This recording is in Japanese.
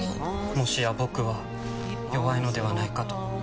もしや僕は弱いのではないかと。